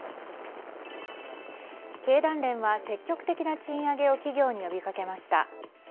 経団連は積極的な賃上げを企業に呼びかけました。